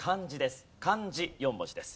漢字４文字です。